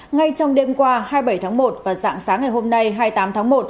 ngay trong đêm qua hai mươi bảy tháng một và dạng sáng ngày hôm nay hai mươi tám tháng một